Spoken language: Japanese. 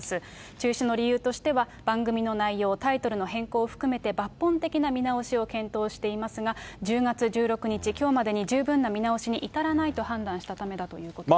中止の理由としては、番組の内容、タイトルの変更を含めて抜本的な見直しを検討していますが、１０月１６日、きょうまでに十分な見直しに至らないと判断したためだということです。